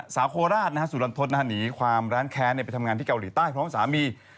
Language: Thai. โคราชสุรรณทศหนีความร้านแค้นไปทำงานที่เกาหลีใต้พร้อมสามี